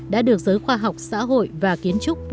đã được giới khoa học xã hội và kiến trúc việt nam